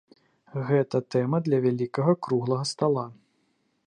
Гэта тэма для вялікага круглага стала.